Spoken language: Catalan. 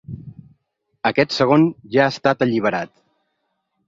Aquest segon ja ha estat alliberat.